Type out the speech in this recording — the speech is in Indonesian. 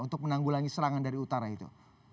untuk menanggulangi serangan dari utara itu